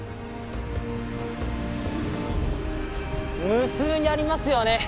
無数にありますよね。